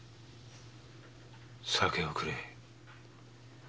酒をくれ。